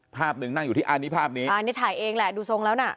ภาพหนึ่งนั่งอยู่ที่อันนี้ภาพนี้อันนี้ถ่ายเองแหละดูทรงแล้วน่ะ